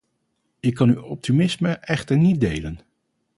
Ik kan uw optimisme echter niet delen.